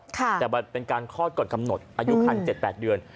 แต่มันเป็นการคลอดกฎกำหนดอายุคัน๗๘เดือน